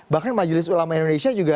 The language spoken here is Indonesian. bahkan majelis ulama indonesia juga